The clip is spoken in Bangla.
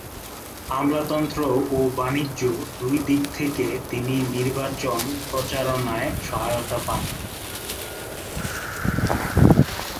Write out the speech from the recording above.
আমলাতন্ত্র ও বাণিজ্য দুই দিক থেকে তিনি নির্বাচন প্রচারণায় সহায়তা পান।